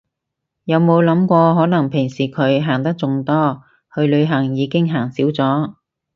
有冇諗過可能平時佢行得仲多，去旅行已經行少咗